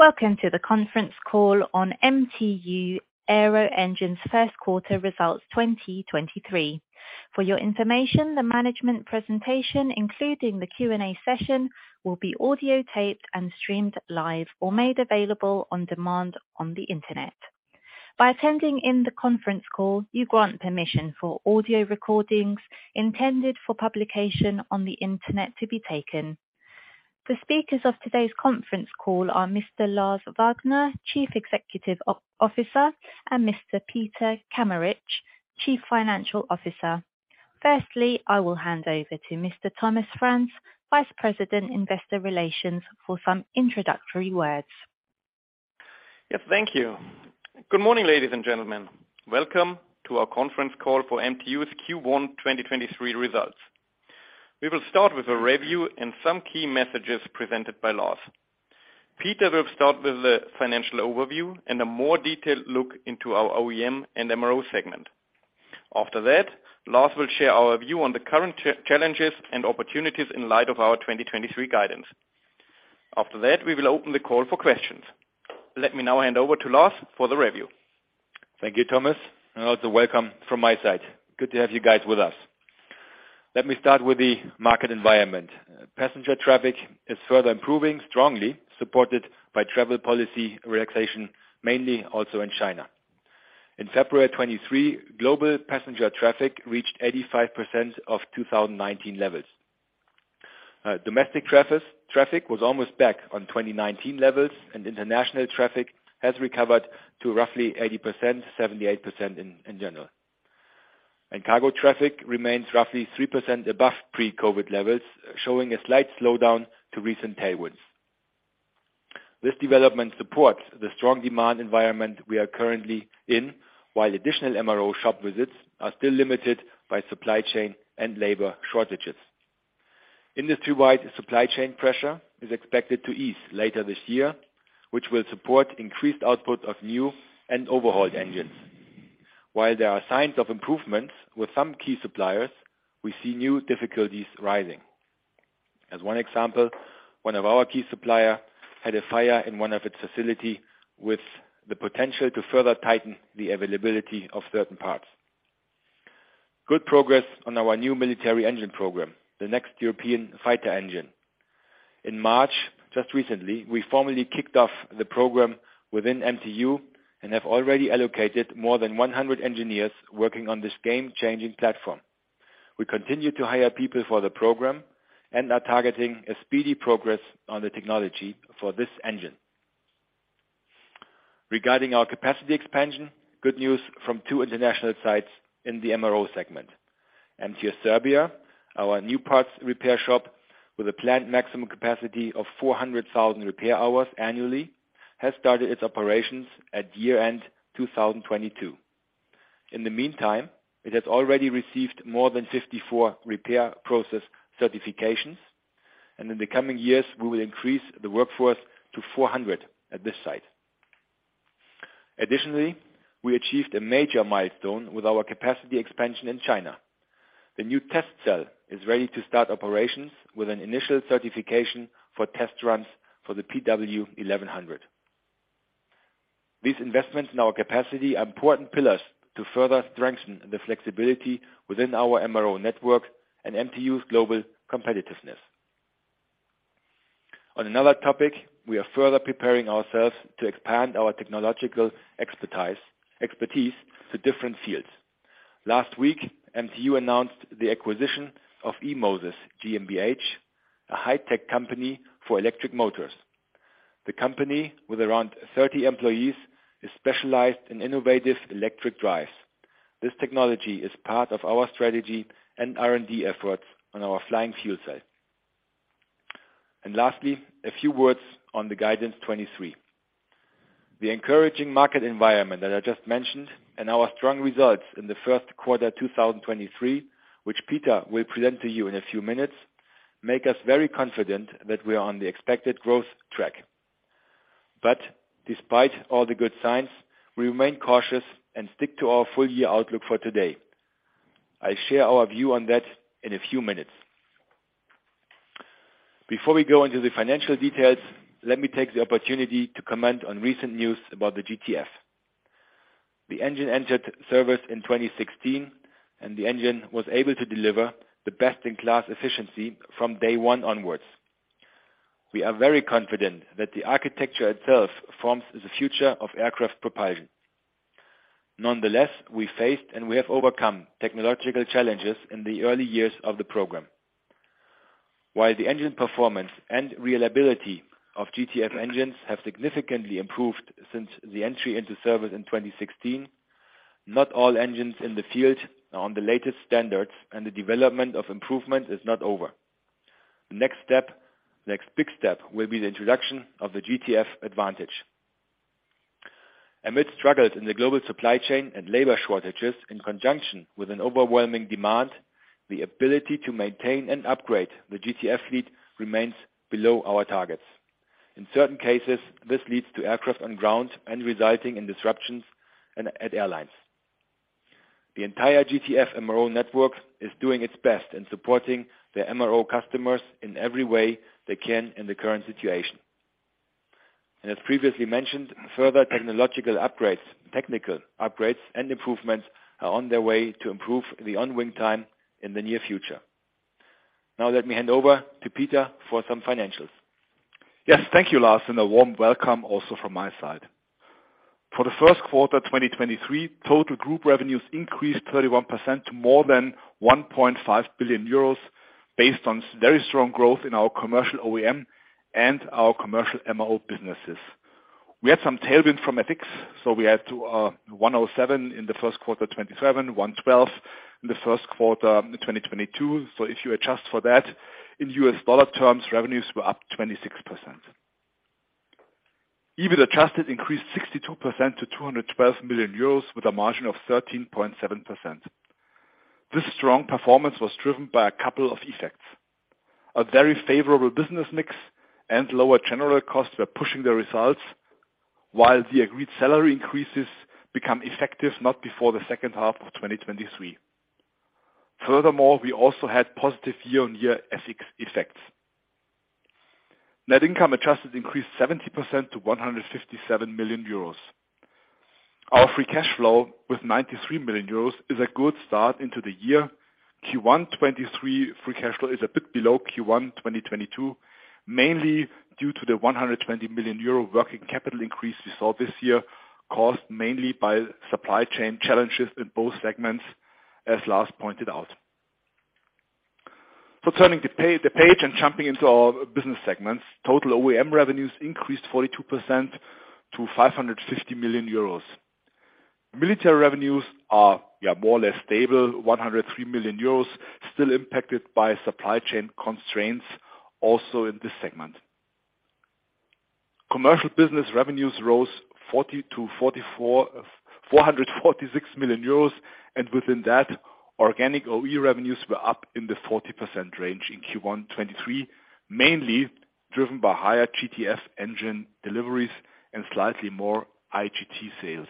Welcome to the conference call on MTU Aero Engines first quarter results 2023. For your information, the management presentation, including the Q&A session, will be audio taped and streamed live or made available on demand on the Internet. By attending in the conference call, you grant permission for audio recordings intended for publication on the Internet to be taken. The speakers of today's conference call are Mr. Lars Wagner, Chief Executive Officer, and Mr. Peter Kameritsch, Chief Financial Officer. I will hand over to Mr. Thomas Franz, Vice President, Investor Relations, for some introductory words. Yes, thank you. Good morning, ladies and gentlemen. Welcome to our conference call for MTU's Q1 2023 results. We will start with a review and some key messages presented by Lars. Peter will start with the financial overview and a more detailed look into our OEM and MRO segment. After that, Lars will share our view on the current challenges and opportunities in light of our 2023 guidance. After that, we will open the call for questions. Let me now hand over to Lars for the review. Thank you, Thomas. Also welcome from my side. Good to have you guys with us. Let me start with the market environment. Passenger traffic is further improving, strongly supported by travel policy relaxation, mainly also in China. In February 2023, global passenger traffic reached 85% of 2019 levels. Domestic traffic was almost back on 2019 levels, and international traffic has recovered to roughly 80%, 78% in general. Cargo traffic remains roughly 3% above pre-COVID levels, showing a slight slowdown to recent tailwinds. This development supports the strong demand environment we are currently in, while additional MRO shop visits are still limited by supply chain and labor shortages. Industry-wide supply chain pressure is expected to ease later this year, which will support increased output of new and overhauled engines. While there are signs of improvements with some key suppliers, we see new difficulties rising. As one example, one of our key supplier had a fire in one of its facility, with the potential to further tighten the availability of certain parts. Good progress on our new military engine program, the next European fighter engine. In March, just recently, we formally kicked off the program within MTU and have already allocated more than 100 engineers working on this game-changing platform. We continue to hire people for the program and are targeting a speedy progress on the technology for this engine. Regarding our capacity expansion, good news from two international sites in the MRO segment. MTU Serbia, our new parts repair shop with a planned maximum capacity of 400,000 repair hours annually, has started its operations at year-end 2022. In the meantime, it has already received more than 54 repair process certifications. In the coming years, we will increase the workforce to 400 at this site. Additionally, we achieved a major milestone with our capacity expansion in China. The new test cell is ready to start operations with an initial certification for test runs for the PW1100G. These investments in our capacity are important pillars to further strengthen the flexibility within our MRO network and MTU's global competitiveness. On another topic, we are further preparing ourselves to expand our technological expertise to different fields. Last week, MTU announced the acquisition of eMoSys GmbH, a high-tech company for electric motors. The company, with around 30 employees, is specialized in innovative electric drives. This technology is part of our strategy and R&D efforts on our Flying Fuel Cell. Lastly, a few words on the guidance 23. The encouraging market environment that I just mentioned and our strong results in the first quarter 2023, which Peter will present to you in a few minutes, make us very confident that we are on the expected growth track. Despite all the good signs, we remain cautious and stick to our full year outlook for today. I share our view on that in a few minutes. Before we go into the financial details, let me take the opportunity to comment on recent news about the GTF. The engine entered service in 2016, and the engine was able to deliver the best-in-class efficiency from day one onwards. We are very confident that the architecture itself forms the future of aircraft propulsion. Nonetheless, we faced and we have overcome technological challenges in the early years of the program. While the engine performance and reliability of GTF engines have significantly improved since the entry into service in 2016, not all engines in the field are on the latest standards, and the development of improvement is not over. Next big step will be the introduction of the GTF Advantage. Amid struggles in the global supply chain and labor shortages in conjunction with an overwhelming demand, the ability to maintain and upgrade the GTF fleet remains below our targets. In certain cases, this leads to aircraft on ground and resulting in disruptions at airlines. The entire GTF MRO network is doing its best in supporting the MRO customers in every way they can in the current situation. As previously mentioned, further technological upgrades, technical upgrades, and improvements are on their way to improve the on-wing time in the near future. Let me hand over to Peter for some financials. Thank you, Lars, and a warm welcome also from my side. For the first quarter, 2023, total group revenues increased 31% to more than 1.5 billion euros based on very strong growth in our commercial OEM and our commercial MRO businesses. We had some tailwind from FX, so we had to 107 in the first quarter, 27, 112 in the first quarter, 2022. If you adjust for that, in US dollar terms, revenues were up 26%. EBIT adjusted increased 62% to 212 million euros with a margin of 13.7%. This strong performance was driven by a couple of effects. A very favorable business mix and lower general costs were pushing the results, while the agreed salary increases become effective not before the second half of 2023. Furthermore, we also had positive year-on-year FX effects. Net income adjusted increased 70% to 157 million euros. Our free cash flow with 93 million euros is a good start into the year. Q1 2023 free cash flow is a bit below Q1 2022, mainly due to the 120 million euro working capital increase we saw this year, caused mainly by supply chain challenges in both segments, as Lars pointed out. Turning the page and jumping into our business segments, total OEM revenues increased 42% to 550 million euros. Military revenues are, yeah, more or less stable, 103 million euros, still impacted by supply chain constraints also in this segment. Commercial business revenues rose 446 million euros, and within that, organic OE revenues were up in the 40% range in Q1 2023, mainly driven by higher GTF engine deliveries and slightly more IGT sales.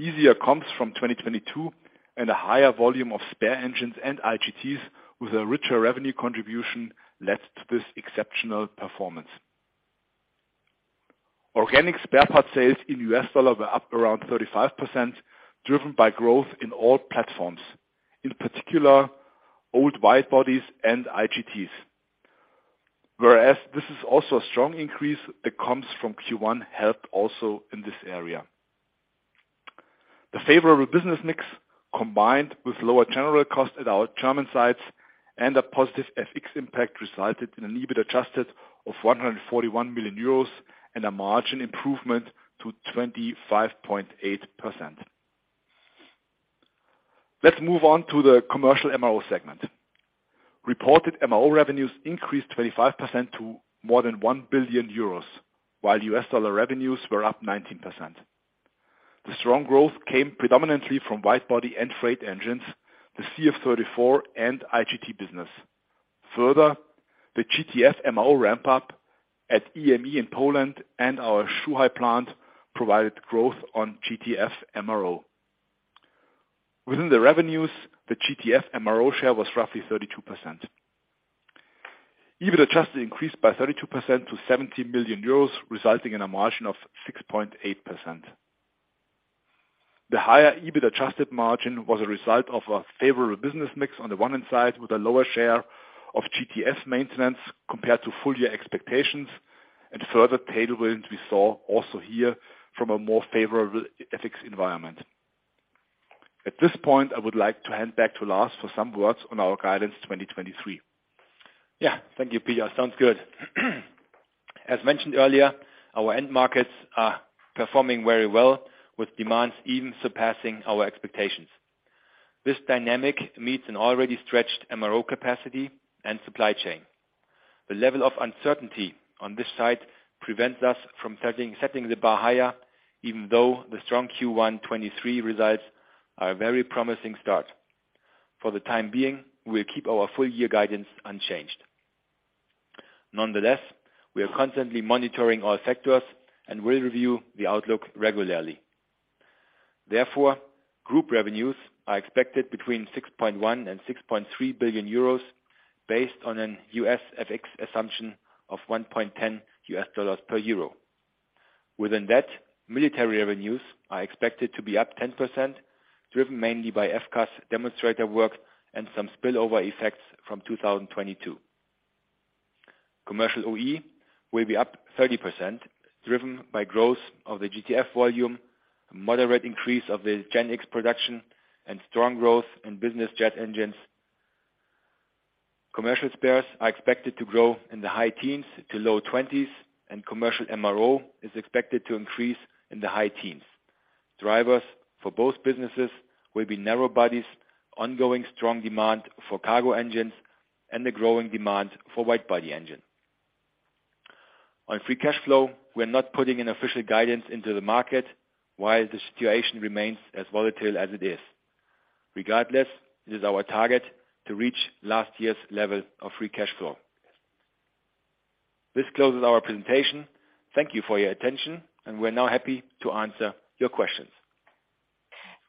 Easier comps from 2022 and a higher volume of spare engines and IGTs with a richer revenue contribution led to this exceptional performance. Organic spare parts sales in U.S. dollar were up around 35%, driven by growth in all platforms, in particular old wide-bodies and IGTs. Whereas this is also a strong increase, it comes from Q1 helped also in this area. The favorable business mix, combined with lower general costs at our German sites and a positive FX impact, resulted in an EBIT adjusted of 141 million euros and a margin improvement to 25.8%. Let's move on to the commercial MRO segment. Reported MRO revenues increased 25% to more than 1 billion euros, while US dollar revenues were up 19%. The strong growth came predominantly from wide-body and freight engines, the CF34 and IGT business. The GTF MRO ramp-up at EME in Poland and our Zhuhai plant provided growth on GTF MRO. Within the revenues, the GTF MRO share was roughly 32%. EBIT adjusted increased by 32% to 70 million euros, resulting in a margin of 6.8%. The higher EBIT adjusted margin was a result of a favorable business mix on the one end side with a lower share of GTF's maintenance compared to full year expectations and further tailwinds we saw also here from a more favorable FX environment. At this point, I would like to hand back to Lars for some words on our guidance 2023. Thank you, Peter. Sounds good. As mentioned earlier, our end markets are performing very well, with demands even surpassing our expectations. This dynamic meets an already stretched MRO capacity and supply chain. The level of uncertainty on this side prevents us from setting the bar higher, even though the strong Q1 2023 results are a very promising start. For the time being, we'll keep our full year guidance unchanged. Nonetheless, we are constantly monitoring all factors and will review the outlook regularly. Group revenues are expected between 6.1 billion and 6.3 billion euros based on a U.S. FX assumption of $1.10 per Euro. Within that, military revenues are expected to be up 10%, driven mainly by FCAS demonstrator work and some spillover effects from 2022. Commercial OE will be up 30%, driven by growth of the GTF volume, a moderate increase of the GEnx production, and strong growth in business jet engines. Commercial spares are expected to grow in the high teens to low 20s, and commercial MRO is expected to increase in the high teens. Drivers for both businesses will be narrow bodies, ongoing strong demand for cargo engines, and the growing demand for wide-body engine. On free cash flow, we're not putting an official guidance into the market while the situation remains as volatile as it is. Regardless, it is our target to reach last year's level of free cash flow. This closes our presentation. Thank you for your attention, we're now happy to answer your questions.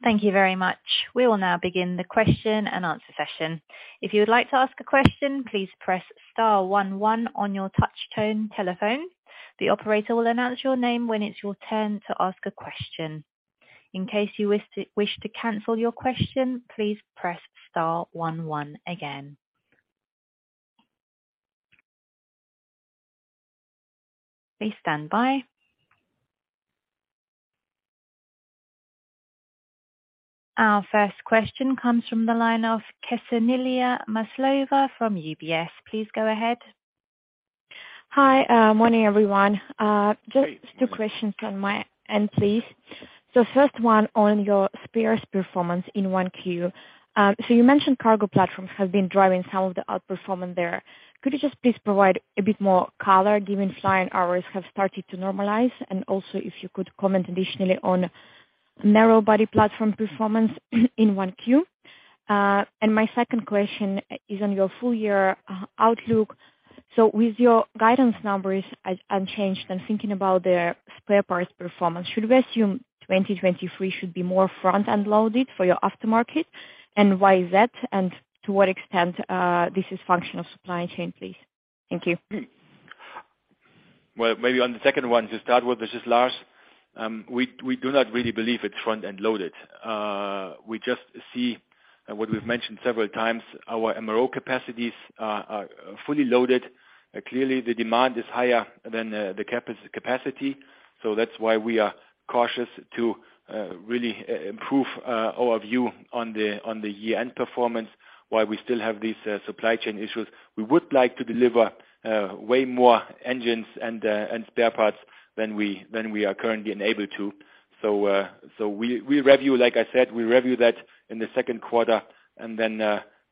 Thank you very much. We will now begin the question and answer session. If you would like to ask a question, please press star one one on your touch-tone telephone. The operator will announce your name when it's your turn to ask a question. In case you wish to cancel your question, please press star one one again. Please stand by. Our first question comes from the line of Ksenia Maslova from UBS. Please go ahead. Hi. Morning, everyone. Just two questions from my end, please. First one on your spares performance in Q1. You mentioned cargo platforms have been driving some of the outperformance there. Could you just please provide a bit more color, given flying hours have started to normalize, and also if you could comment additionally on narrow-body platform performance in Q1. My second question is on your full year outlook. With your guidance numbers as unchanged, I'm thinking about their spare parts performance. Should we assume 2023 should be more front and loaded for your aftermarket? Why is that, and to what extent this is functional supply chain, please? Thank you. Maybe on the second one to start with, this is Lars. We do not really believe it's front and loaded. We just see what we've mentioned several times, our MRO capacities are fully loaded. Clearly the demand is higher than the capacity, so that's why we are cautious to really improve our view on the year-end performance while we still have these supply chain issues. We would like to deliver way more engines and spare parts than we are currently enabled to. We review, like I said, we review that in the second quarter and then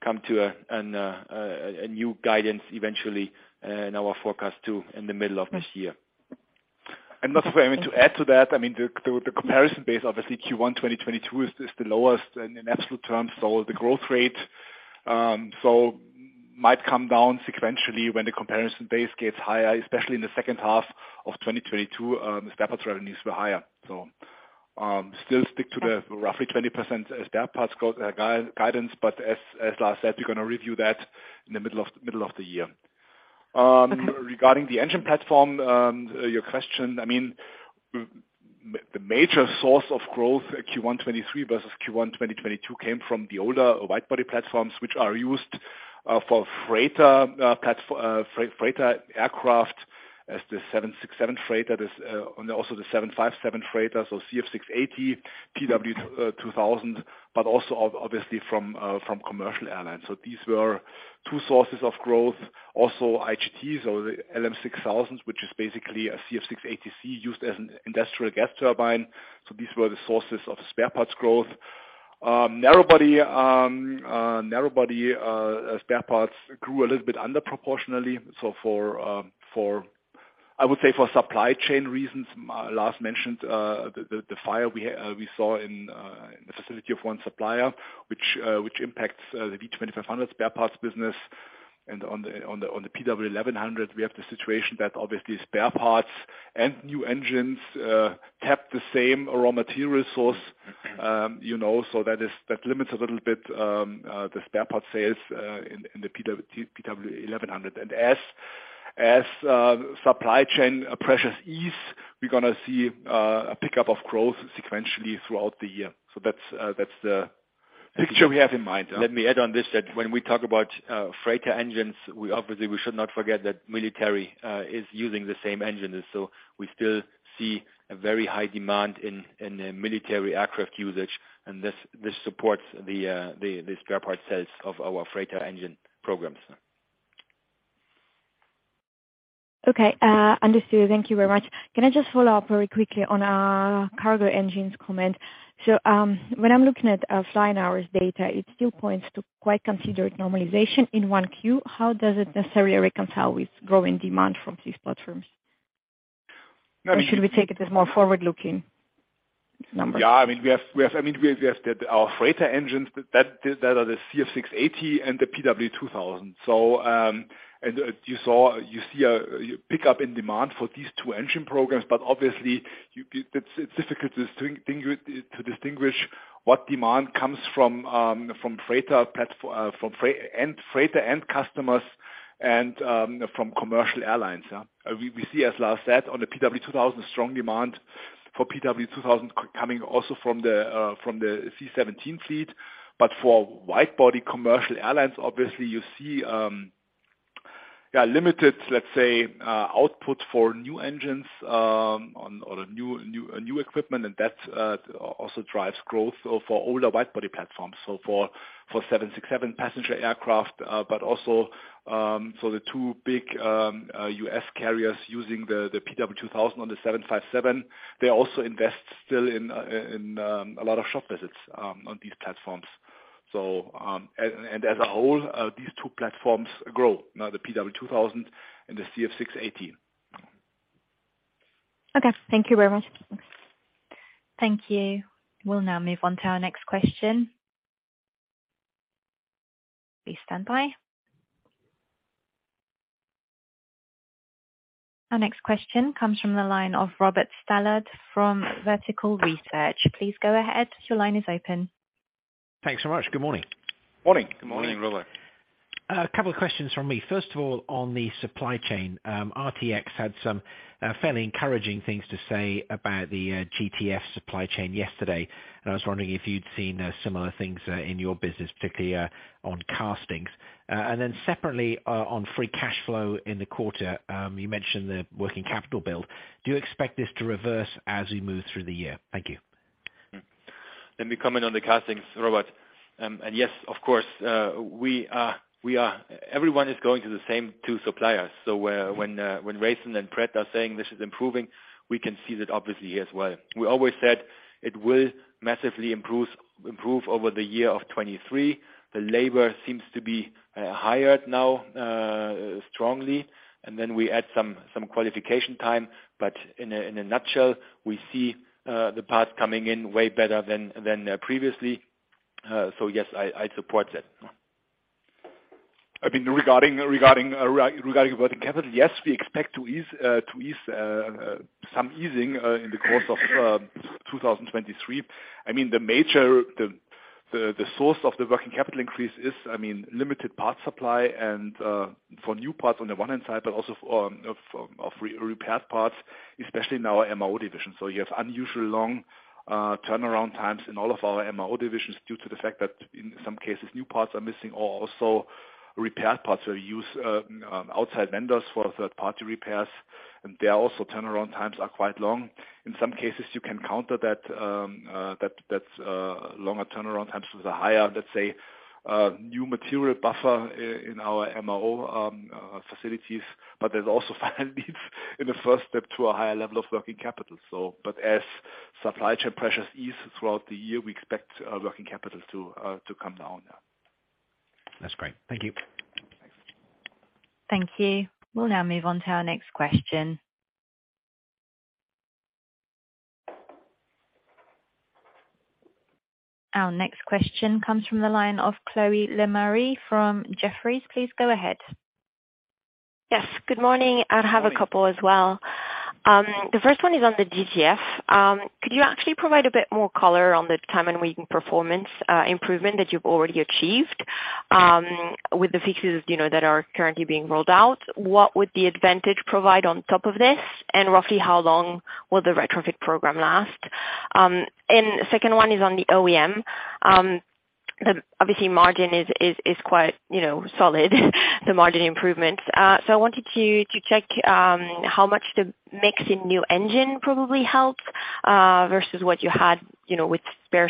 come to a new guidance eventually in our forecast too, in the middle of this year. I mean to add to that, I mean, the comparison base, obviously Q1 2022 is the lowest in absolute terms. The growth rate might come down sequentially when the comparison base gets higher, especially in the second half of 2022, spare parts revenues were higher. Still stick to the roughly 20% spare parts guidance, but as Lars said, we're gonna review that in the middle of the year. Okay. Regarding the engine platform, your question, I mean, the major source of growth Q1 2023 versus Q1 2022 came from the older wide body platforms which are used for freighter aircraft as the 767 freighter and also the 757 freighter, CF6-80, PW2000, but also obviously from commercial airlines. These were two sources of growth. Also, IGTs or the LM6000, which is basically a CF6-80C used as an industrial gas turbine. These were the sources of spare parts growth. Narrow body spare parts grew a little bit under proportionally. I would say for supply chain reasons, Lars mentioned the fire we saw in the facility of one supplier which impacts the V2500 spare parts business. On the PW1100, we have the situation that obviously spare parts and new engines tap the same raw material source. You know, that limits a little bit the spare parts sales in the PW1100. As supply chain pressures ease, we're gonna see a pickup of growth sequentially throughout the year. That's the picture we have in mind. Let me add on this, that when we talk about freighter engines, we obviously should not forget that military is using the same engines. We still see a very high demand in the military aircraft usage. This supports the spare parts sales of our freighter engine programs. Okay, Understood. Thank you very much. Can I just follow up very quickly on cargo engines comment? When I'm looking at flying hours data, it still points to quite considered normalization in Q1. How does it necessarily reconcile with growing demand from these platforms? No. Should we take it as more forward-looking numbers? I mean, we have our freighter engines that are the CF6-80 and the PW2000. You saw, you see a pick up in demand for these two engine programs. Obviously, it's difficult to distinguish what demand comes from freight and freighter and customers and from commercial airlines. We see, as Lars said, on the PW2000, strong demand for PW2000 coming also from the C-17 fleet. For wide body commercial airlines, obviously you see limited, let's say, output for new engines on or new equipment and that also drives growth for older wide body platforms. For 767 passenger aircraft, but also, the two big US carriers using the PW2000 on the 757, they also invest still in a lot of shop visits on these platforms. And as a whole, these two platforms grow, now the PW2000 and the CF6-80. Okay. Thank you very much. Thank you. We'll now move on to our next question. Please stand by. Our next question comes from the line of Robert Stallard from Vertical Research. Please go ahead. Your line is open. Thanks so much. Good morning. Morning. Good morning, Robert. A couple of questions from me. First of all, on the supply chain, RTX had some fairly encouraging things to say about the GTF supply chain yesterday. I was wondering if you'd seen similar things in your business, particularly on castings. Separately, on free cash flow in the quarter, you mentioned the working capital build. Do you expect this to reverse as we move through the year? Thank you. Let me comment on the castings, Robert. Yes, of course, we are Everyone is going to the same two suppliers. Where, when Raytheon and Pratt are saying this is improving, we can see that obviously here as well. We always said it will massively improve over the year of 2023. The labor seems to be hired now, strongly, and then we add some qualification time. In a nutshell, we see the parts coming in way better than previously. Yes, I support that. I mean, regarding working capital, yes, we expect to ease some easing in the course of 2023. I mean, the major, the source of the working capital increase is, I mean, limited parts supply and for new parts on the one hand side, but also of re-repair parts, especially in our MRO division. You have unusually long turnaround times in all of our MRO divisions due to the fact that in some cases, new parts are missing or also repair parts that we use outside vendors for third-party repairs. There also turnaround times are quite long. In some cases you can counter that longer turnaround times with a higher, let's say, new material buffer in our MRO facilities. There's also in the first step to a higher level of working capital. As supply chain pressures ease throughout the year, we expect working capital to come down. That's great. Thank you. Thanks. Thank you. We'll now move on to our next question. Our next question comes from the line of Chloé Lemarié from Jefferies. Please go ahead. Yes, good morning. Good morning. I have a couple as well. The first one is on the GTF. Could you actually provide a bit more color on the time and waiting performance improvement that you've already achieved with the fixes, you know, that are currently being rolled out? What would the GTF Advantage provide on top of this? Roughly how long will the retrofit program last? The second one is on the OEM. The obviously margin is quite, you know, solid, the margin improvements. I wanted to check how much the mix in new engine probably helped versus what you had, you know, with spare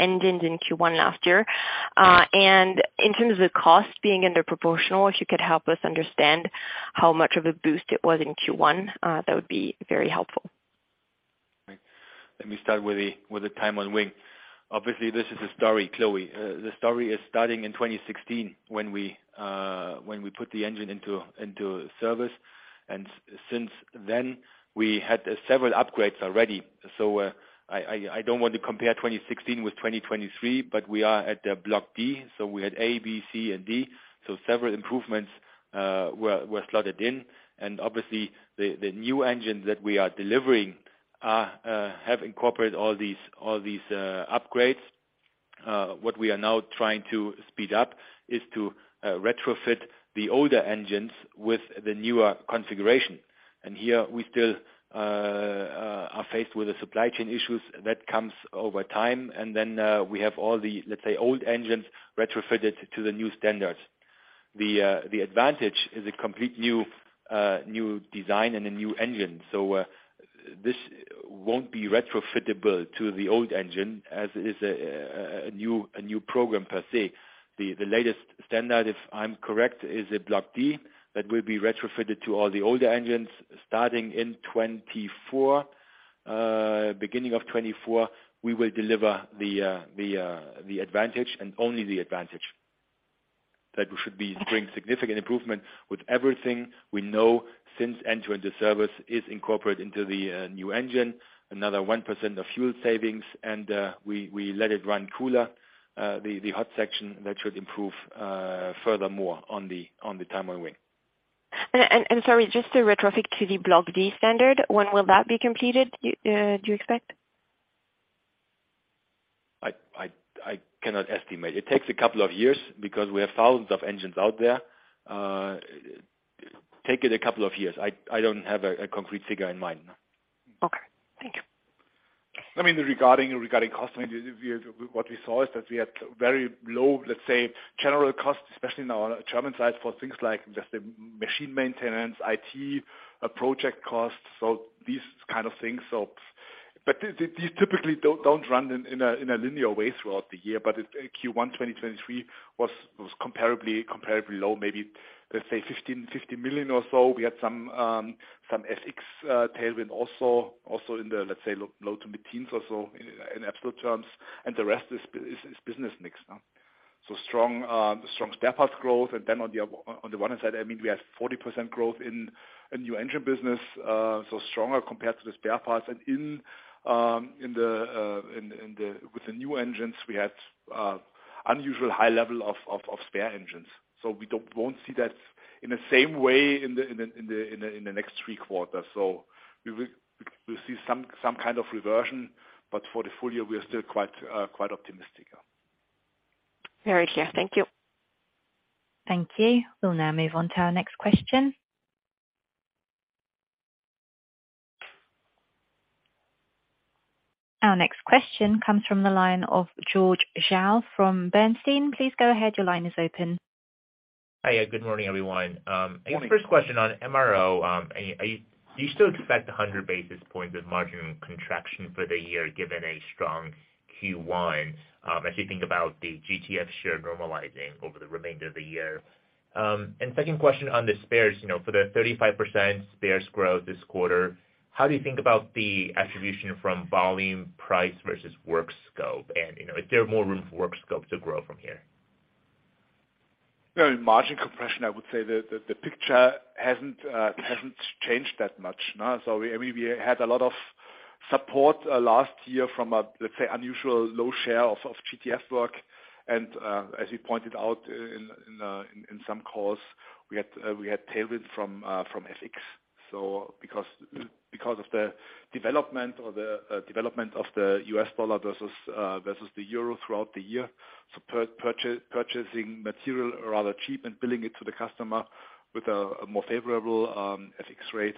engines in Q1 last year. In terms of cost being under proportional, if you could help us understand how much of a boost it was in Q1, that would be very helpful. Let me start with the time on wing. Obviously, this is a story, Chloe. The story is starting in 2016 when we put the engine into service. Since then, we had several upgrades already. I don't want to compare 2016 with 2023, but we are at the Block D. We had A, B, C and D. Several improvements were slotted in. Obviously the new engine that we are delivering are incorporated all these upgrades. What we are now trying to speed up is to retrofit the older engines with the newer configuration. Here we still are faced with the supply chain issues that comes over time. Then, we have all the, let's say, old engines retrofitted to the new standards. The GTF Advantage is a complete new design and a new engine. This won't be retrofittable to the old engine, as is a new program perse. The latest standard, if I'm correct, is a Block D that will be retrofitted to all the older engines starting in 2024. Beginning of 2024, we will deliver the GTF Advantage and only the GTF Advantage. That should be bringing significant improvement with everything we know since entering the service is incorporated into the new engine, another 1% of fuel savings and we let it run cooler, the hot section that should improve furthermore, on the time on wing. Sorry, just the retrofit to the Block D standard, when will that be completed, do you expect? I cannot estimate. It takes a couple of years because we have thousands of engines out there. Take it a couple of years. I don't have a concrete figure in mind, no. Okay. Thank you. I mean, regarding cost, what we saw is that we had very low, let's say, general costs, especially in our German sites, for things like just the machine maintenance, IT, project costs, so these kind of things. But these typically don't run in a linear way throughout the year, but Q1 2023 was comparably low, maybe, let's say, 15 million-50 million or so. We had some FX tailwind also in the, let's say, low to mid-teens or so in absolute terms. The rest is business mix. Strong spare parts growth and then on the one hand side, I mean, we have 40% growth in new engine business, so stronger compared to the spare parts. In the with the new engines, we had unusual high level of spare engines. we don't, won't see that in the same way in the next three quarters. we will see some kind of reversion, but for the full year we are still quite optimistic. Very clear. Thank you. Thank you. We'll now move on to our next question. Our next question comes from the line of George Zhao from Bernstein. Please go ahead. Your line is open. Hi, good morning, everyone. Morning. First question on MRO. Do you still expect 100 basis points of margin contraction for the year, given a strong Q1, as you think about the GTF share normalizing over the remainder of the year? Second question on the spares, you know, for the 35% spares growth this quarter, how do you think about the attribution from volume price versus work scope? You know, is there more room for work scope to grow from here? Yeah, in margin compression, I would say the picture hasn't changed that much. We, I mean, we had a lot of support last year from a, let's say, unusual low share of GTF work. As you pointed out in some calls, we had tailwind from FX. Because of the development or the development of the US dollar versus the Euro throughout the year. Purchasing material rather cheap and billing it to the customer with a more favorable FX rate.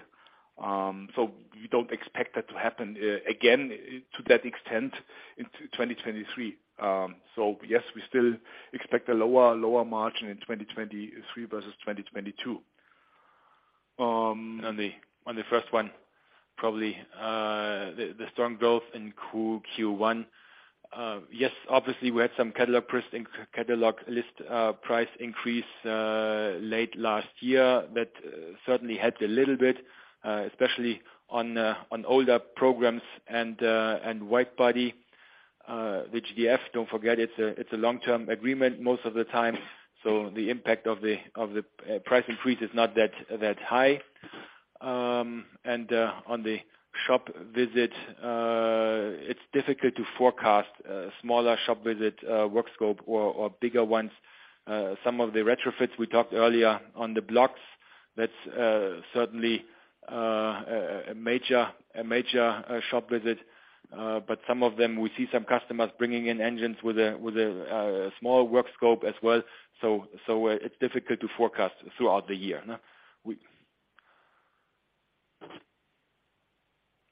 We don't expect that to happen again to that extent in 2023. Yes, we still expect a lower margin in 2023 versus 2022. On the first one, probably the strong growth in Q1. Yes, obviously we had some catalog pricing, catalog list, price increase late last year that certainly helped a little bit, especially on older programs and wide-body. The GTF, don't forget it's a long-term agreement most of the time, so the impact of the price increase is not that high. On the shop visit, it's difficult to forecast a smaller shop visit work scope or bigger ones. Some of the retrofits we talked earlier on the blocks, that's certainly a major shop visit. Some of them, we see some customers bringing in engines with a small work scope as well. It's difficult to forecast throughout the year.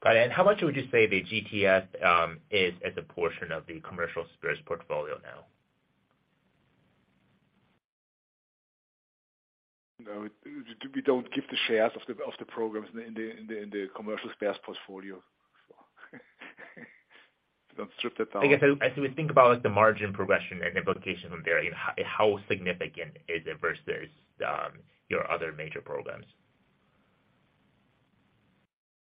Got it. How much would you say the GTF is as a portion of the commercial spares portfolio now? No, we don't give the shares of the, of the programs in the, in the, in the commercial spares portfolio. Don't strip that down. I guess as we think about the margin progression and implication on there, how significant is it versus your other major programs?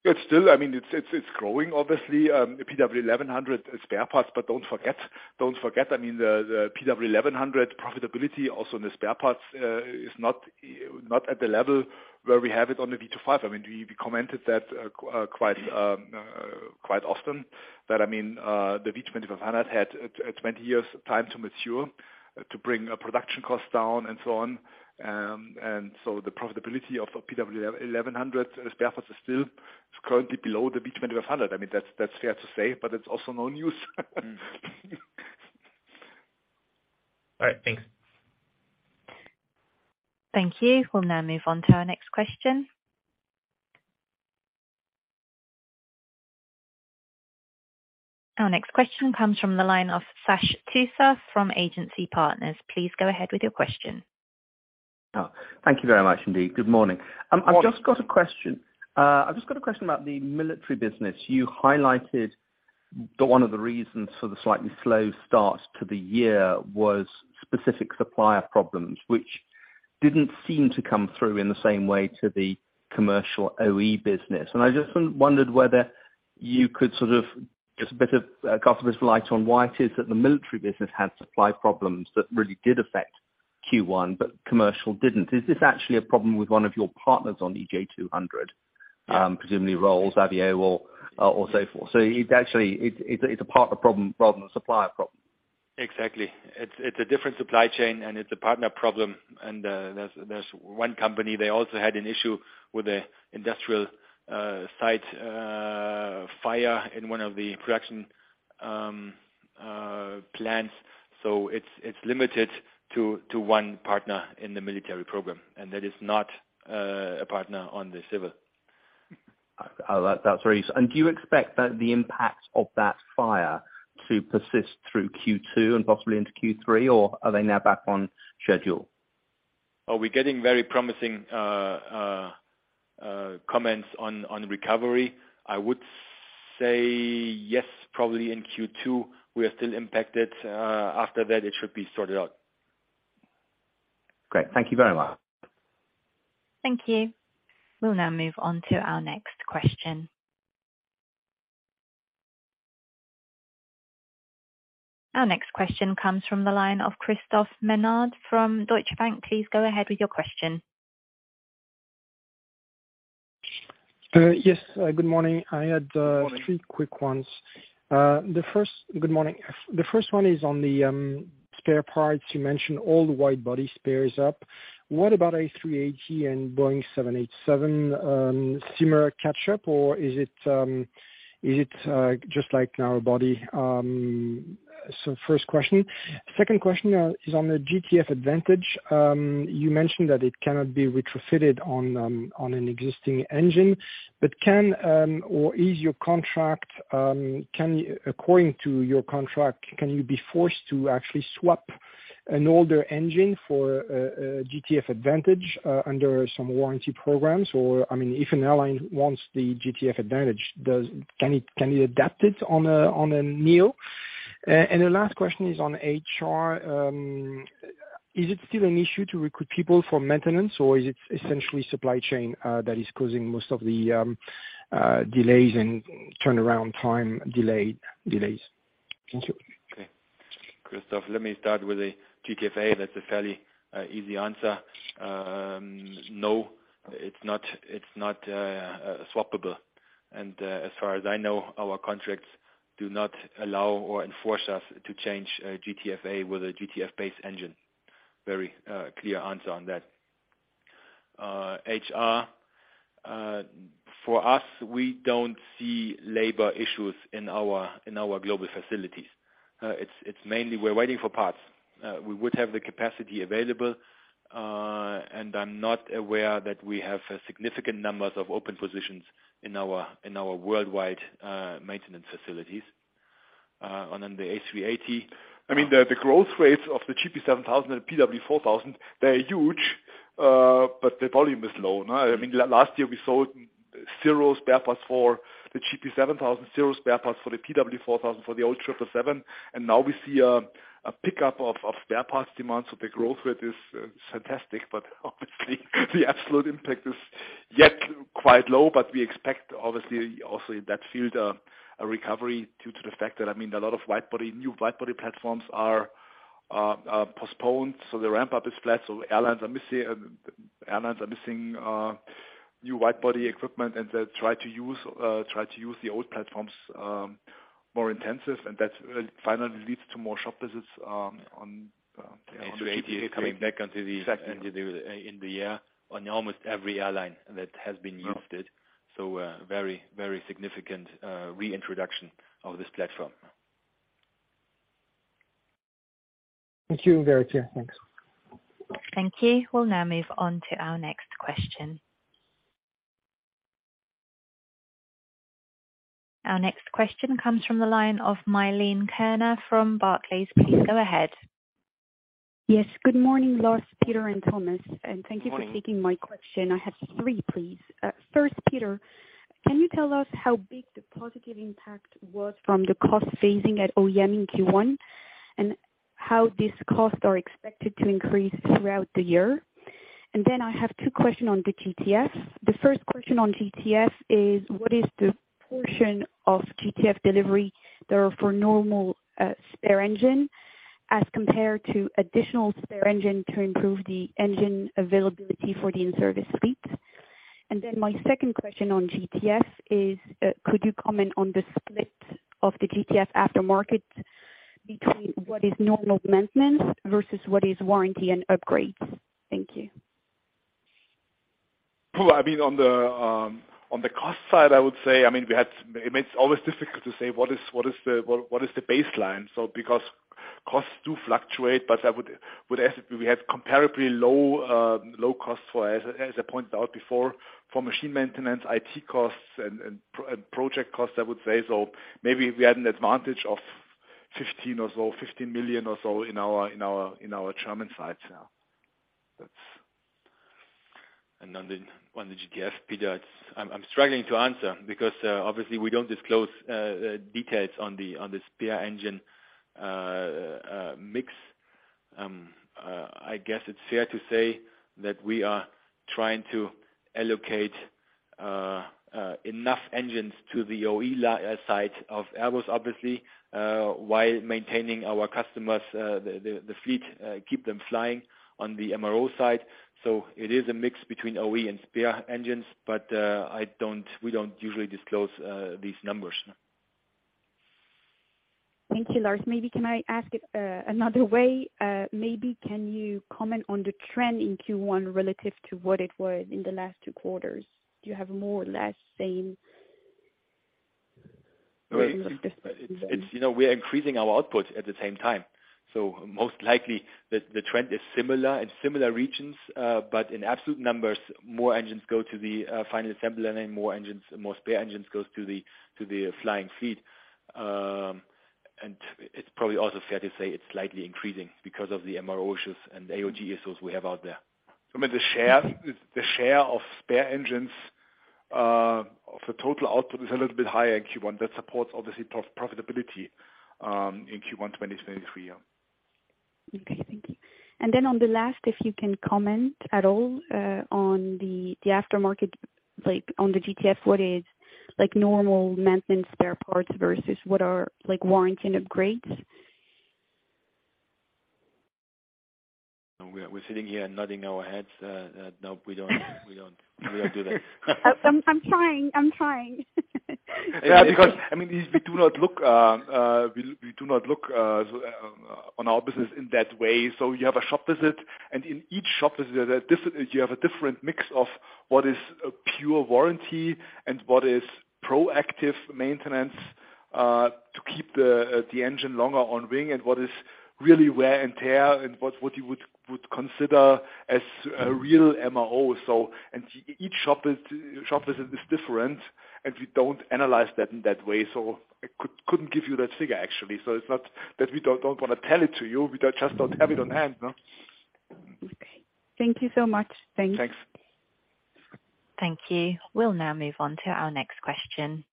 It's still, I mean, it's growing obviously, PW1100 spare parts. Don't forget, I mean, the PW1100 profitability also in the spare parts, is not at the level where we have it on the V2500. I mean, we commented that quite often that the V2500 had 20 years time to mature, to bring production costs down and so on. The profitability of PW1100 spare parts is still currently below the V2500. I mean, that's fair to say, but it's also no news. All right. Thanks. Thank you. We'll now move on to our next question. Our next question comes from the line of Sash Tusa from Agency Partners. Please go ahead with your question. Oh, thank you very much indeed. Good morning. Morning. I've just got a question. I've just got a question about the military business. You highlighted that one of the reasons for the slightly slow start to the year was specific supplier problems, which didn't seem to come through in the same way to the commercial OE business. I just wondered whether you could sort of just a bit of cast a bit of light on why it is that the military business had supply problems that really did affect Q1, but commercial didn't. Is this actually a problem with one of your partners on EJ200? Presumably Rolls, Avio Aero or so forth. It's actually, it's a partner problem rather than a supplier problem. Exactly. It's a different supply chain and it's a partner problem. There's one company, they also had an issue with the industrial site fire in one of the production plants. It's limited to one partner in the military program. That is not a partner on the civil. That's very easy. Do you expect that the impact of that fire to persist through Q2 and possibly into Q3? Or are they now back on schedule? We're getting very promising comments on recovery. I would say yes, probably in Q2 we are still impacted. After that it should be sorted out. Great. Thank you very much. Thank you. We'll now move on to our next question. Our next question comes from the line of Christophe Menard from Deutsche Bank. Please go ahead with your question. Yes, good morning. Good morning.... three quick ones. Good morning. The first one is on the spare parts. You mentioned all the wide body spares up. What about A380 and Boeing 787, simmer catch up or is it just like narrow body? First question. Second question is on the GTF Advantage. You mentioned that it cannot be retrofitted on an existing engine, but can, or is your contract, according to your contract, can you be forced to actually swap an older engine for a GTF Advantage under some warranty programs? I mean, if an airline wants the GTF Advantage, can it adapt it on a neo? The last question is on HR. Is it still an issue to recruit people for maintenance, or is it essentially supply chain that is causing most of the delays and turnaround time delays? Thank you. Okay. Christophe, let me start with the GTFA. That's a fairly easy answer. No, it's not swappable. As far as I know, our contracts do not allow or enforce us to change GTFA with a GTF base engine. Very clear answer on that. HR, for us, we don't see labor issues in our global facilities. It's mainly we're waiting for parts. We would have the capacity available, and I'm not aware that we have significant numbers of open positions in our worldwide maintenance facilities. The A380- I mean, the growth rates of the GP7000 and PW4000, they're huge, but the volume is low. I mean, last year we sold 0 spare parts for the GP7000, zero spare parts for the PW4000 for the old 777, and now we see a pickup of spare parts demands so the growth rate is fantastic, but obviously the absolute impact is yet quite low. We expect obviously also in that field a recovery due to the fact that, I mean, a lot of wide body, new wide body platforms are postponed, so the ramp up is flat, so airlines are missing new wide body equipment, and they try to use the old platforms more intensive, and that's finally leads to more shop visits, on. A380 is coming back into the. Exactly. In the air on almost every airline that has been lifted. Very, very significant reintroduction of this platform. Thank you. Very clear. Thanks. Thank you. We'll now move on to our next question. Our next question comes from the line of Milene Kerner from Barclays. Please go ahead. Yes. Good morning, Lars, Peter, and Thomas. Morning. Taking my question. I have three, please. First, Peter, can you tell us how big the positive impact was from the cost phasing at OEM in Q1, and how these costs are expected to increase throughout the year? I have two questions on the GTF. The first question on GTF is what is the portion of GTF delivery that are for normal spare engine as compared to additional spare engine to improve the engine availability for the in-service fleet? My second question on GTF is, could you comment on the split of the GTF aftermarket between what is normal maintenance versus what is warranty and upgrades? Thank you. Well, I mean, on the cost side, I would say, I mean, we had. I mean, it's always difficult to say what is the baseline, because costs do fluctuate. I would ask if we have comparably low costs for, as I pointed out before, for machine maintenance, IT costs and project costs, I would say. Maybe we had an advantage of 15 million or so in our German side. That's. On the GTF, Peter, I'm struggling to answer because obviously we don't disclose details on the spare engine mix. I guess it's fair to say that we are trying to allocate enough engines to the OE site of Airbus, obviously, while maintaining our customers' the fleet, keep them flying on the MRO side. It is a mix between OE and spare engines. We don't usually disclose these numbers. Thank you, Lars. Maybe can I ask it, another way? Maybe can you comment on the trend in Q1 relative to what it was in the last two quarters? Do you have more or less same? It's, you know, we are increasing our output at the same time, so most likely the trend is similar-in-similar regions, but in absolute numbers, more engines go to the final assembly line, more engines, more spare engines goes to the flying fleet. It's probably also fair to say it's slightly increasing because of the MRO issues and AOG issues we have out there. I mean, the share of spare engines of the total output is a little bit higher in Q1. That supports obviously profitability in Q1 2023. Yeah. Okay. Thank you. On the last, if you can comment at all, on the aftermarket, like, on the GTF, what is, like, normal maintenance spare parts versus what are, like, warranty and upgrades? We're sitting here and nodding our heads. No, we don't do that. I'm trying. I'm trying. Because I mean, we do not look, we do not look on our business in that way. You have a shop visit, and in each shop visit, you have a different mix of what is a pure warranty and what is proactive maintenance to keep the engine longer on wing, and what is really wear and tear and what you would consider as a real MRO. And each shop visit is different, and we don't analyze that in that way, so I couldn't give you that figure actually. It's not that we don't wanna tell it to you. We just don't have it on hand. No. Okay. Thank you so much. Thanks. Thanks. Thank you. We'll now move on to our next question.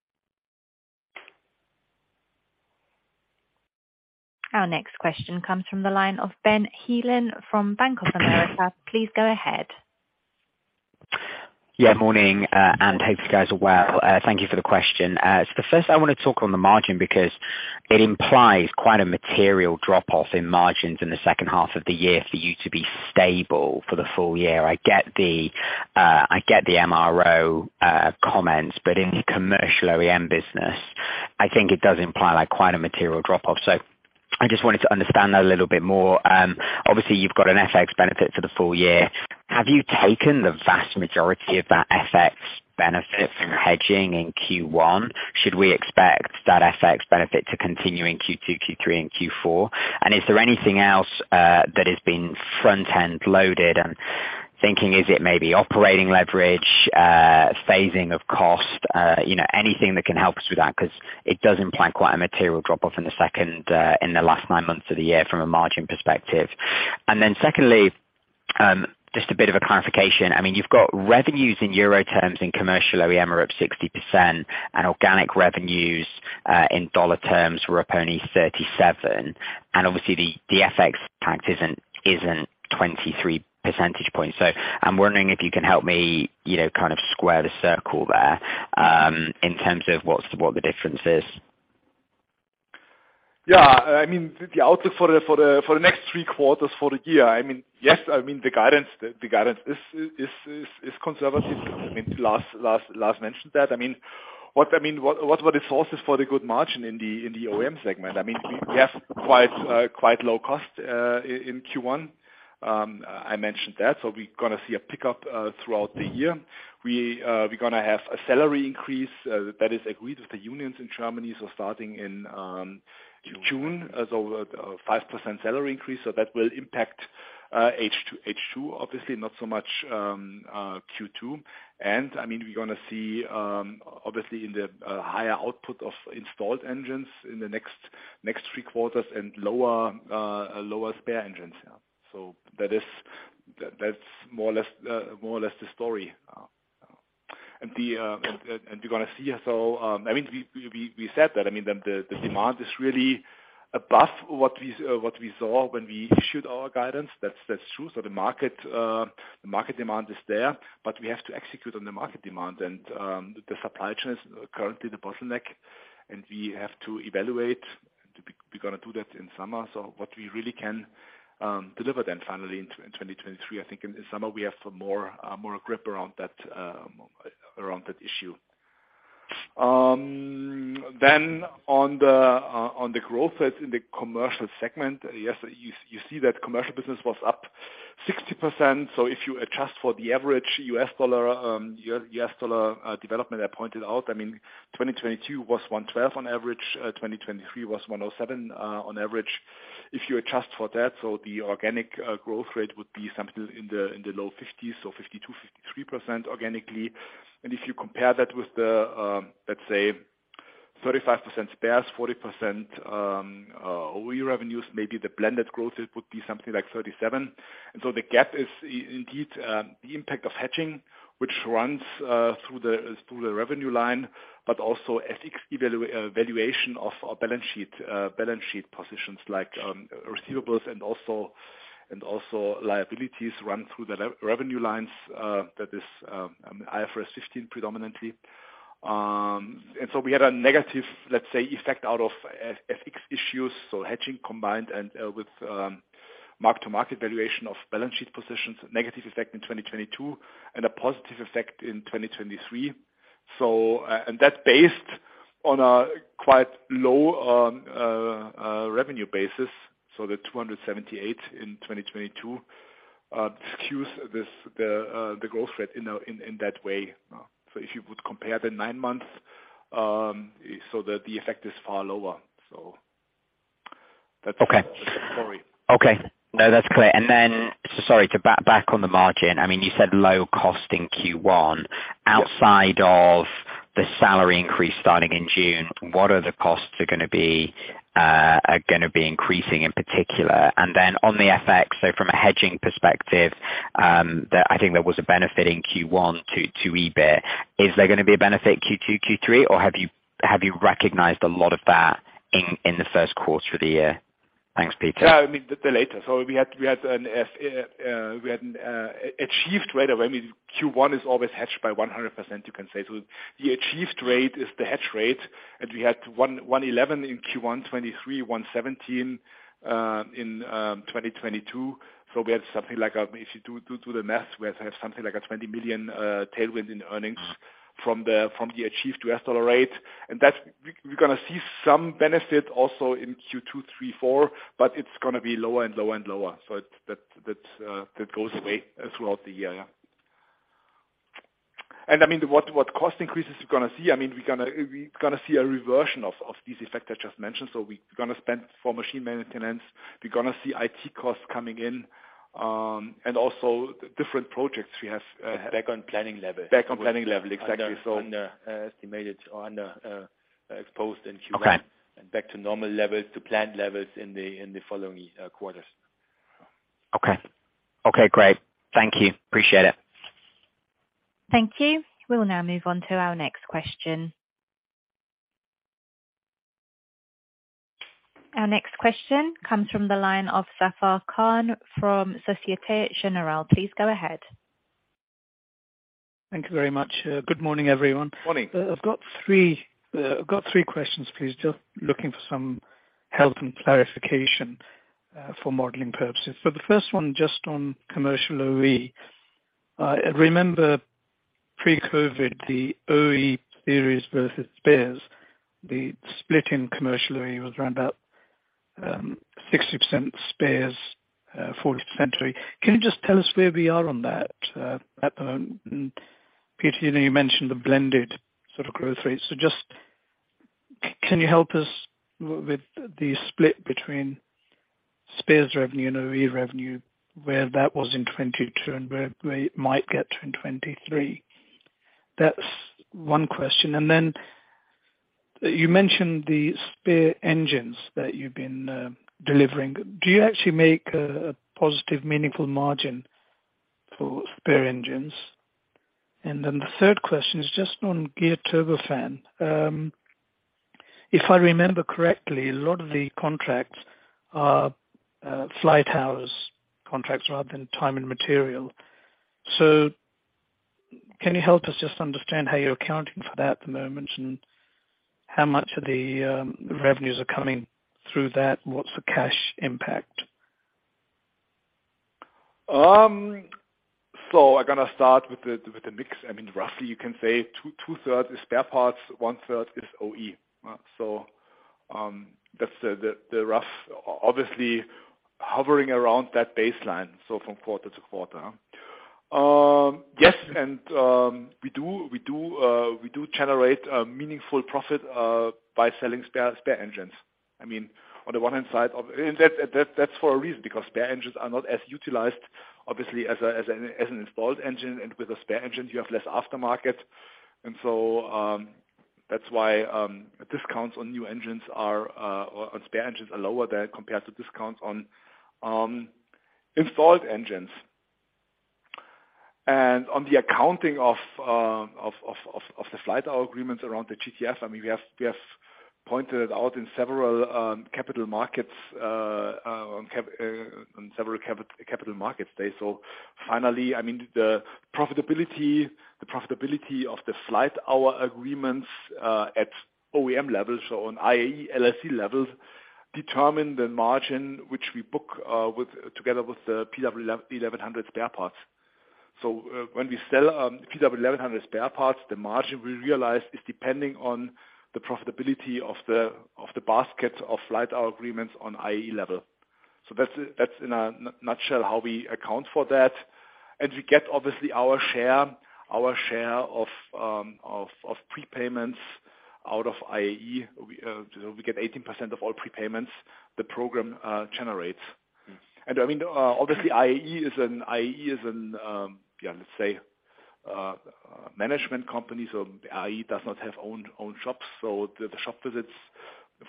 Our next question comes from the line of Ben Heelan from Bank of America. Please go ahead. Yeah. Morning, and hope you guys are well. Thank you for the question. First I wanna talk on the margin because it implies quite a material drop-off in margins in the second half of the year for you to be stable for the full year. I get the I get the MRO comments, but in the commercial OEM business, I think it does imply, like, quite a material drop-off. I just wanted to understand that a little bit more. Obviously you've got an FX benefit for the full year. Have you taken the vast majority of that FX benefit from hedging in Q1? Should we expect that FX benefit to continue in Q2, Q3, and Q4? Is there anything else that has been front-end loaded? I'm thinking, is it maybe operating leverage, phasing of cost? You know, anything that can help us with that, 'cause it does imply quite a material drop-off in the second, in the last nine months of the year from a margin perspective. Secondly, just a bit of a clarification. I mean, you've got revenues in Euro terms in commercial OEM are up 60% and organic revenues in USD terms were up only 37%. The FX pact isn't 23 percentage points. I'm wondering if you can help me, you know, kind of square the circle there, in terms of what the difference is? I mean, the outlook for the next three quarters, for the year, I mean, yes, I mean, the guidance is conservative. I mean, Lars mentioned that. I mean, what are the sources for the good margin in the OEM segment? I mean, we have quite low cost in Q1. I mentioned that. We gonna see a pickup throughout the year. We gonna have a salary increase that is agreed with the unions in Germany. Starting in June, as a 5% salary increase, that will impact H2, obviously not so much Q2. I mean, we're gonna see obviously in the higher output of installed engines in the next three quarters and lower spare engines. Yeah. That is, that's more or less the story. We're gonna see also, I mean, we said that, I mean, the demand is really above what we saw when we issued our guidance. That's true. The market demand is there, but we have to execute on the market demand and the supply chain is currently the bottleneck, and we have to evaluate. We're gonna do that in summer. What we really can deliver then finally in 2023, I think in the summer we have more grip around that issue. On the growth rates in the commercial segment, yes, you see that commercial business was up 60%. If you adjust for the average US dollar, US dollar development, I pointed out, I mean, 2022 was 1.12 on average. 2023 was 1.07 on average. If you adjust for that, the organic growth rate would be something in the low 50s or 52%-53% organically. If you compare that with the, let's say 35% spares, 40% OE revenues, maybe the blended growth rate would be something like 37%. The gap is indeed the impact of hedging, which runs through the revenue line, but also FX valuation of our balance sheet positions like receivables and also liabilities run through the revenue lines, that is IFRS 15 predominantly. We had a negative, let's say, effect out of FX issues, so hedging combined with mark-to-market valuation of balance sheet positions, negative effect in 2022 and a positive effect in 2023. That's based on a quite low revenue basis. The 278 in 2022 skews this the growth rate in that way. If you would compare the nine months, the effect is far lower. That's. Okay. Sorry. Okay. No, that's clear. Sorry, to back on the margin. I mean, you said low cost in Q1. Yeah. Outside of the salary increase starting in June, what other costs are gonna be increasing in particular? On the FX, from a hedging perspective, there, I think there was a benefit in Q1 to adjusted EBIT. Is there gonna be a benefit Q2, Q3, or have you recognized a lot of that in the first quarter of the year? Thanks, Peter. The later. We had an achieved rate of, I mean, Q1 is always hedged by 100% you can say. The achieved rate is the hedge rate. We had 1.11 in Q1 2023, 1.17 in 2022. We had something like, if you do the math, we have to have something like a 20 million tailwind in earnings from the achieved US dollar rate. That we're gonna see some benefit also in Q2, Q3, Q4, but it's gonna be lower and lower and lower. That goes away throughout the year. What cost increases we're gonna see? We're gonna see a reversion of this effect I just mentioned. We gonna spend for machine maintenance. We're gonna see IT costs coming in, and also different projects we have. Back on planning level. Back on planning level. Exactly. Under estimated or under exposed in Q1. Okay. back to normal levels, to planned levels in the, in the following quarters. Okay. Okay, great. Thank you. Appreciate it. Thank you. We'll now move on to our next question. Our next question comes from the line of Zafar Khan from Societe Generale. Please go ahead. Thank you very much. Good morning, everyone. Morning. I've got three questions, please. Just looking for some help and clarification for modeling purposes. The first one just on commercial OE. I remember pre-COVID, the OE theories versus spares, the split in commercial OE was around about 60% spares, 40% OE. Can you just tell us where we are on that at the moment? Peter, I know you mentioned the blended sort of growth rate. Just can you help us with the split between spares revenue and OE revenue, where that was in 2022 and where we might get to in 2023? That's one question. You mentioned the spare engines that you've been delivering. Do you actually make a positive, meaningful margin for spare engines? The third question is just on Geared Turbofan. If I remember correctly, a lot of the contracts are flight hours contracts rather than time and material. Can you help us just understand how you're accounting for that at the moment, and how much of the revenues are coming through that and what's the cash impact? I'm gonna start with the mix. I mean, roughly you can say 2/3 is spare parts, 1/3 is OE. That's the rough obviously hovering around that baseline from quarter-to-quarter. Yes, we do generate a meaningful profit by selling spare engines. I mean, on the one hand side of... That's for a reason, because spare engines are not as utilized obviously as an installed engine, and with a spare engine you have less aftermarket. That's why discounts on new engines are or on spare engines are lower than compared to discounts on installed engines. On the accounting of the flight hour agreements around the GTF, I mean, we have pointed out in several capital markets day. Finally, I mean, the profitability of the flight hour agreements at OEM levels, so on IAE LLP levels, determine the margin which we book, together with the PW 1,100 spare parts. When we sell PW 1,100 spare parts, the margin we realize is depending on the profitability of the basket of flight hour agreements on IAE level. That's in a nutshell how we account for that. We get obviously our share of prepayments out of IAE. We get 18% of all prepayments the program generates. Mm. I mean, obviously IAE is a management company. IAE does not have own shops. The shop visits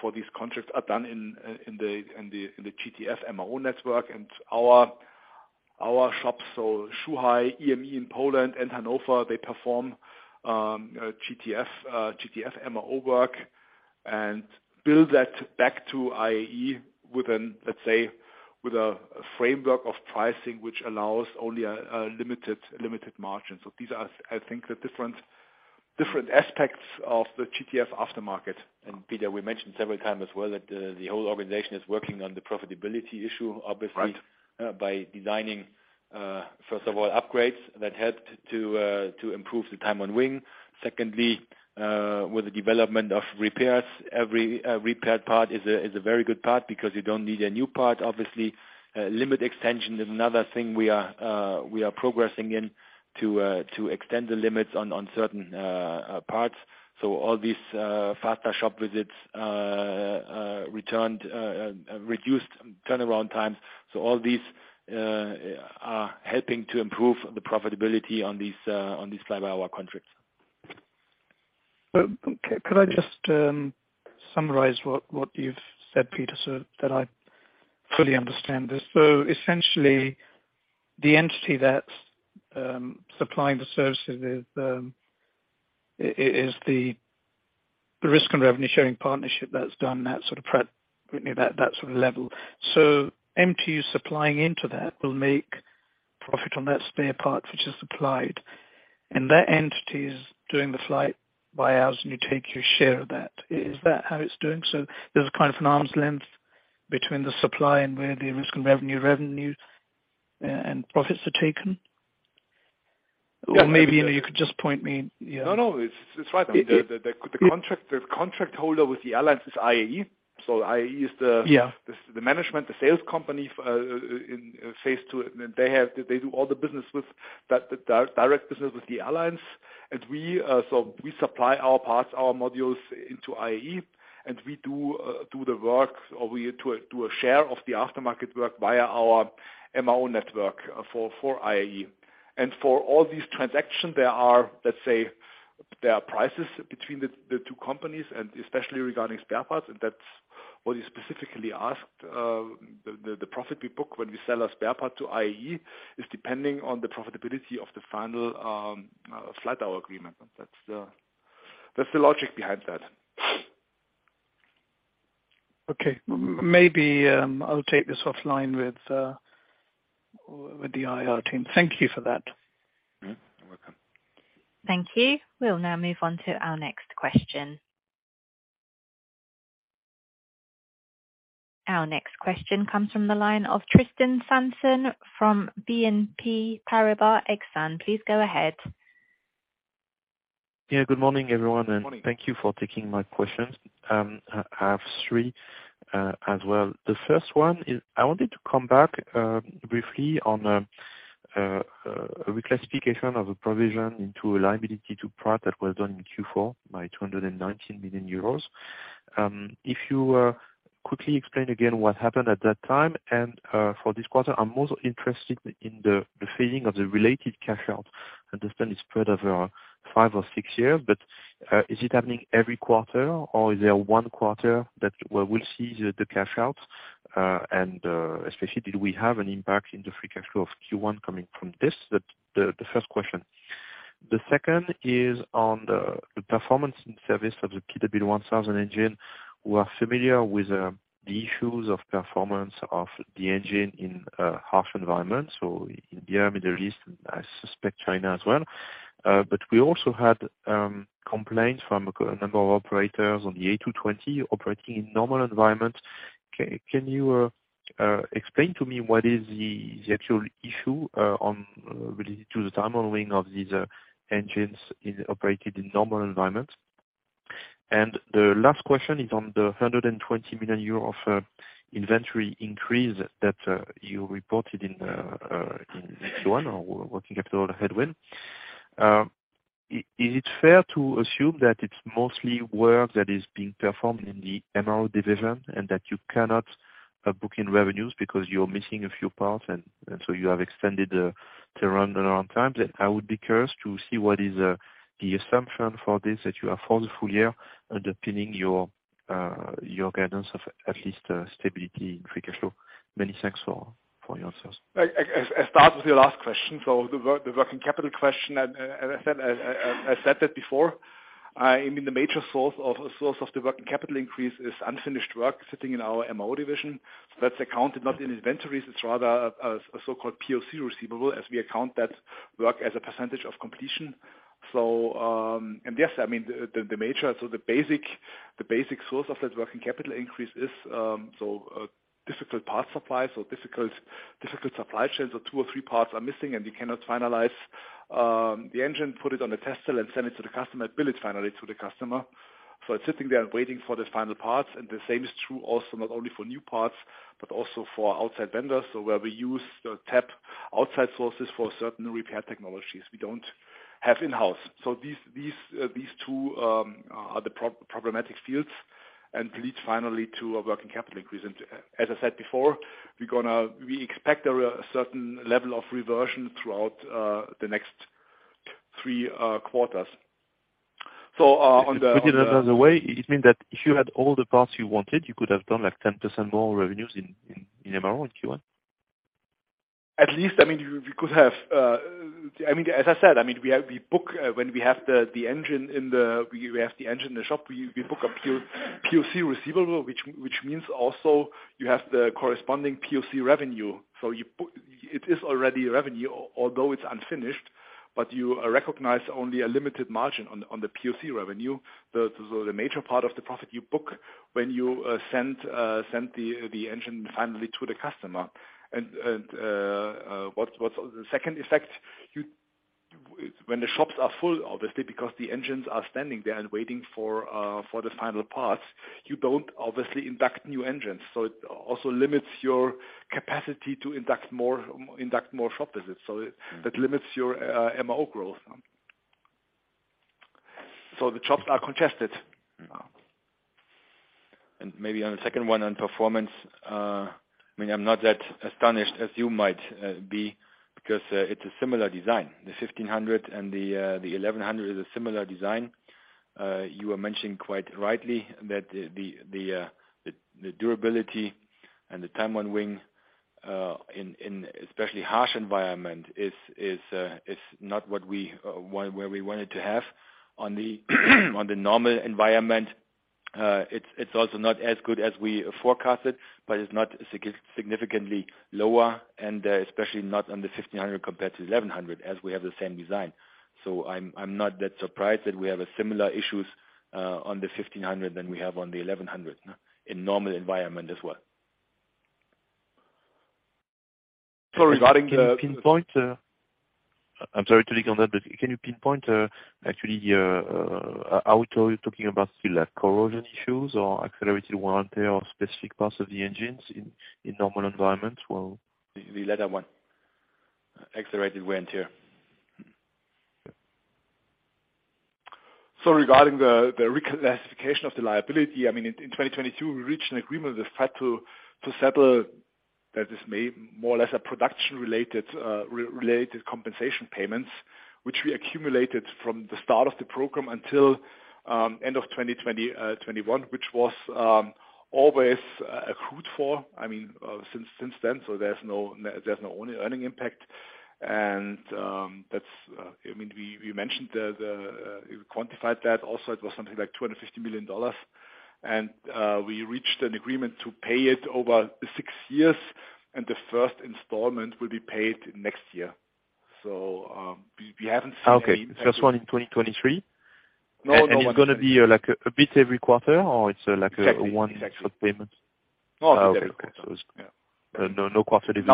for these contracts are done in the GTF MRO network and our shops. Zhuhai, EME in Poland and Hanover, they perform GTF MRO work and bill that back to IAE with a framework of pricing which allows only a limited margin. These are, I think the different aspects of the GTF aftermarket. Peter, we mentioned several times as well that the whole organization is working on the profitability issue, obviously. Right by designing, first of all, upgrades that help to improve the time on wing. Secondly, with the development of repairs, every repaired part is a very good part because you don't need a new part, obviously. Limit extension is another thing we are progressing in to extend the limits on certain parts. All these, faster shop visits, returned, reduced turnaround times. All these, are helping to improve the profitability on these on these fly by hour contracts. Could I just summarize what you've said, Peter, so that I fully understand this? Essentially the entity that's supplying the services is the risk and revenue sharing partnership that's done that sort of prep, you know, that sort of level. MTU supplying into that will make profit on that spare part which is supplied, and that entity is doing the flight buyouts, and you take your share of that. Is that how it's doing? There's a kind of an arm's length between the supply and where the risk and revenue, revenues and profits are taken. Or maybe, you know, you could just point me, you know. No, no, it's right. I mean, the contract, the contract holder with the alliance is IAE. Yeah. The management, the sales company in phase two, they do all the business with direct business with the alliance. We, so we supply our parts, our modules into IAE, and we do the work, or we do a share of the aftermarket work via our MRO network for IAE. For all these transactions, there are, let's say, there are prices between the two companies, and especially regarding spare parts, and that's what you specifically asked. The profit we book when we sell a spare part to IAE is depending on the profitability of the final flight hour agreement. That's the logic behind that. Okay. Maybe, I'll take this offline with the IR team. Thank you for that. Mm-hmm, you're welcome. Thank you. We'll now move on to our next question. Our next question comes from the line of Tristan Sanson from BNP Paribas Exane. Please go ahead. Yeah, good morning, everyone. Morning. Thank you for taking my questions. I have three as well. The first one is I wanted to come back briefly on reclassification of a provision into a liability to Pratt that was done in Q4 by 219 million euros. If you quickly explain again what happened at that time, and for this quarter, I'm most interested in the feeling of the related cash out. I understand it's spread over five or six years, but is it happening every quarter, or is there one quarter that we'll see the cash out? And especially did we have an impact in the free cash flow of Q1 coming from this? That's the first question. The second is on the performance and service of the PW One Thousand engine. We are familiar with the issues of performance of the engine in harsh environments, so in the Middle East, I suspect China as well. But we also had complaints from a number of operators on the A220 operating in normal environments. Can you explain to me what is the actual issue on related to the timing of these engines in operating in normal environments? The last question is on the 120 million euro of inventory increase that you reported in Q1, or working capital headwind. Is it fair to assume that it's mostly work that is being performed in the MRO division and that you cannot book in revenues because you're missing a few parts and so you have extended the turnaround times? I would be curious to see what is, the assumption for this that you have for the full year underpinning your guidance of at least, stability in free cash flow. Many thanks for your answers. I'll start with your last question. The working capital question, and as I said that before, I mean, the major source of the working capital increase is unfinished work sitting in our MRO division. That's accounted not in inventories. It's rather a so-called POC receivable as we account that work as a percentage of completion. Yes, I mean, the major, the basic source of that working capital increase is difficult part supplies or difficult supply chains or two or three parts are missing, and you cannot finalize the engine, put it on the test hill, and send it to the customer, bill it finally to the customer. It's sitting there waiting for the final parts. The same is true also not only for new parts, but also for outside vendors. Where we use the tap outside sources for certain repair technologies we don't have in-house. These two are the problematic fields and leads finally to a working capital increase. As I said before, we expect a certain level of reversion throughout the next three quarters. On the- To put it another way, it means that if you had all the parts you wanted, you could have done like 10% more revenues in, in MRO in Q1? At least, I mean, we could have, I mean, as I said, I mean, we book, when we have the engine in the, we have the engine in the shop, we book a POC receivable, which means also you have the corresponding POC revenue. It is already revenue, although it's unfinished, but you recognize only a limited margin on the POC revenue. The major part of the profit you book when you send the engine finally to the customer. What's the second effect, you, when the shops are full, obviously because the engines are standing there and waiting for the final parts, you don't obviously impact new engines. It also limits your capacity to induct more shop visits. That limits your MRO growth. The shops are congested. Mm-hmm. Maybe on the second one on performance, I mean, I'm not that astonished as you might be because it's a similar design. The 1500 and the 1100 is a similar design. You were mentioning quite rightly that the durability and the time on wing in especially harsh environment is not where we wanted to have. On the normal environment, it's also not as good as we forecasted, but it's not significantly lower, and especially not on the 1500 compared to 1100, as we have the same design. I'm not that surprised that we have similar issues on the 1500 than we have on the 1100 in normal environment as well. Regarding the. Can you pinpoint, I'm sorry to lean on that, but can you pinpoint, actually, are we talking about still, like, corrosion issues or accelerated wear and tear of specific parts of the engines in normal environments? The latter one. Accelerated wear and tear. Mm-hmm. Regarding the reclassification of the liability, in 2022, we reached an agreement with FAT to settle, that is made more or less a production related re-related compensation payments, which we accumulated from the start of the program until end of 2021, which was always accrued for since then, there's no earning impact. That's, we mentioned the, we quantified that also it was something like $250 million. We reached an agreement to pay it over six years, and the first installment will be paid next year. We haven't seen any impact... Okay. First one in 2023? No. It's gonna be, like, a bit every quarter or it's like? Exactly. one lump payment? No, every quarter. Okay. It's. Yeah. No, no quarter is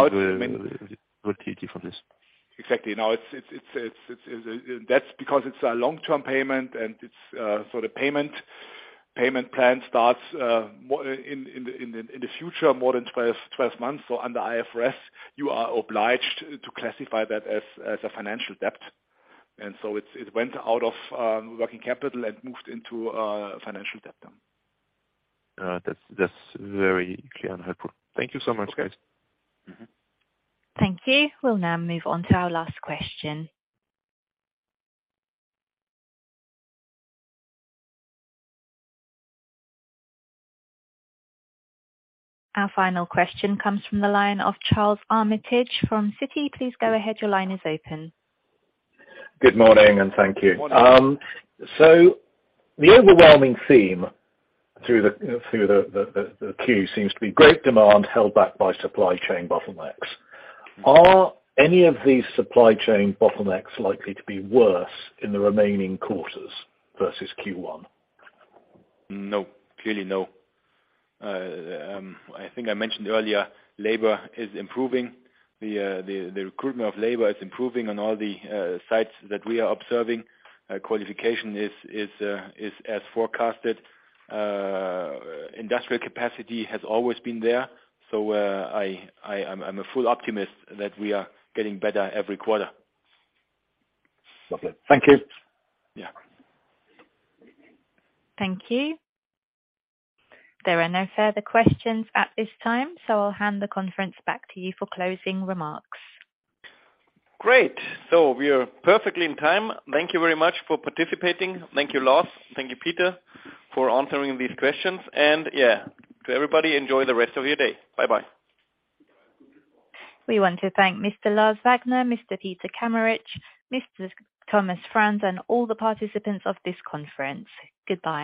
liquidity for this. Exactly. Now, it's that's because it's a long-term payment and it's, so the payment plan starts more in the future, more than 12 months. Under IFRS, you are obliged to classify that as a financial debt. It's, it went out of working capital and moved into financial debt now. That's very clear and helpful. Thank you so much, guys. Mm-hmm. Thank you. We'll now move on to our last question. Our final question comes from the line of Charles Armitage from Citi. Please go ahead. Your line is open. Good morning, and thank you. Morning. The overwhelming theme through the Q seems to be great demand held back by supply chain bottlenecks. Are any of these supply chain bottlenecks likely to be worse in the remaining quarters versus Q1? No, clearly no. I think I mentioned earlier, labor is improving. The recruitment of labor is improving on all the sites that we are observing. Qualification is as forecasted. Industrial capacity has always been there. I'm a full optimist that we are getting better every quarter. Lovely. Thank you. Yeah. Thank you. There are no further questions at this time, so I'll hand the conference back to you for closing remarks. Great. We are perfectly in time. Thank you very much for participating. Thank you, Lars. Thank you, Peter, for answering these questions. Yeah, to everybody, enjoy the rest of your day. Bye-bye. We want to thank Mr. Lars Wagner, Mr. Peter Kameritsch, Mr. Thomas Franz, and all the participants of this conference. Goodbye.